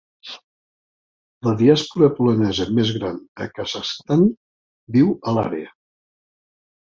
La diàspora polonesa més gran a Kazakhstan viu a l'àrea.